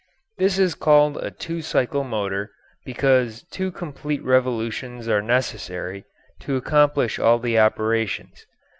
This is called a two cycle motor, because two complete revolutions are necessary to accomplish all the operations.